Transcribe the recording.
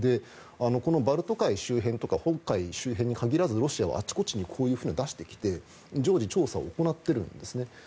このバルト海周辺とか北海周辺に限らずロシアはあちこちにこういう船を出してきて常時、調査を行ってるんです。